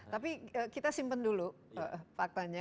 tapi kita simpan dulu faktanya